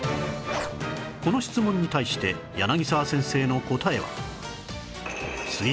この質問に対して柳沢先生の答えは